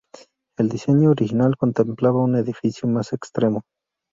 El diseño original contemplaba un edificio más extremo.